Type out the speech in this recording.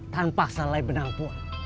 tanpa salah benang pun